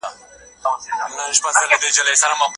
زه هر سهار په باغ کې تازه ګلانو ته اوبه ورکوم.